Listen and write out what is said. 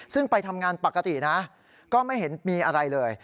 ซึ่งไปทำงานปกตินะก็ไม่เห็นมีอะไรเลย